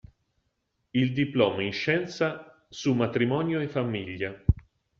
Il diploma in scienza su Matrimonio e Famiglia.